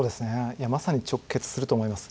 いやまさに直結すると思います。